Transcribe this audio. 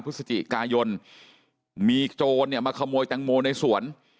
พฤศจิกายนมีโจรเนี่ยมาขโมยแตงโมในสวน